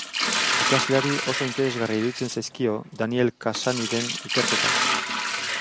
Irakasleari oso interesgarria iruditzen zaizkio Daniel Cassanyren ikerketak.